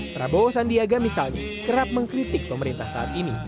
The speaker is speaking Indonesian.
prabowo sandiaga misalnya kerap mengkritik pemerintah saat ini